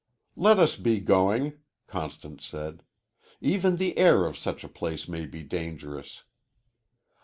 "Let us be going," Constance said. "Even the air of such a place may be dangerous."